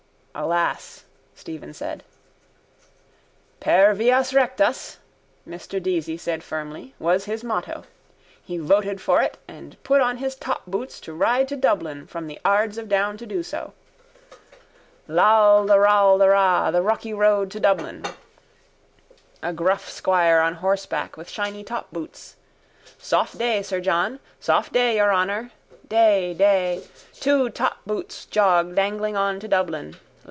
—Alas, Stephen said. —Per vias rectas, Mr Deasy said firmly, was his motto. He voted for it and put on his topboots to ride to Dublin from the Ards of Down to do so. Lal the ral the ra The rocky road to Dublin. A gruff squire on horseback with shiny topboots. Soft day, sir John! Soft day, your honour!... Day!... Day!... Two topboots jog dangling on to Dublin.